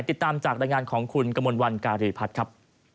ติดตามจากรายงานของคุณกมลวันการีพัฒน์ครับ